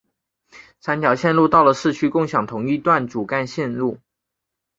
三条线路到了市区共享同一段主干线路。